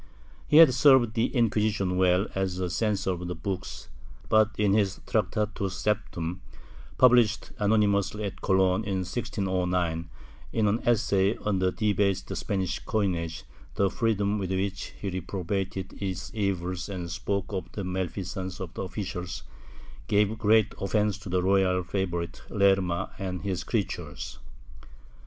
He had served the Inquisition well as a censor of books, but in his Tractatus septem, published anonymously at Cologne, in 1609, in an essay on the debased Spanish coinage, the freedom with which he reprobated its evils and spoke of the malfeasance of officials gave great offence to the royal favorite Lerma and his creatures.